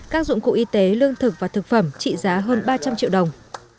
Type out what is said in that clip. các dụng cụ y tế lương thực và thực phẩm trị giá hơn ba trăm linh triệu đồng